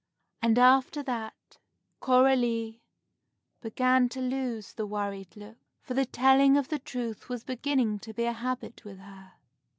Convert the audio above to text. And after that Coralie began to lose the worried look, for the telling of the truth was beginning to be a habit with her.